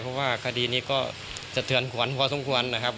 เพราะว่าคดีนี้ก็สะเทือนขวัญพอสมควรนะครับ